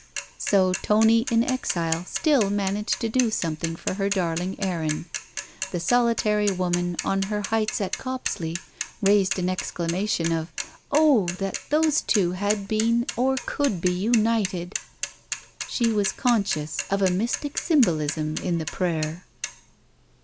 So Tony in exile still managed to do something for her darling Erin. The solitary woman on her heights at Copsley raised an exclamation of, 'Oh! that those two had been or could be united!' She was conscious of a mystic symbolism in the prayer.